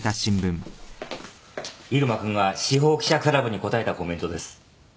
入間君が司法記者クラブにこたえたコメントです。